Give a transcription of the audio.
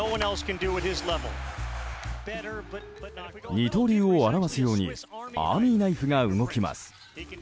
二刀流を表すようにアーミーナイフが動きます。